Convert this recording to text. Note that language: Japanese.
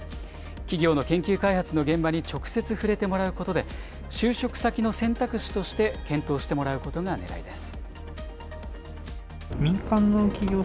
企業の研究開発の現場に直接触れてもらうことで、就職先の選択肢として検討してもらうことがねらいです。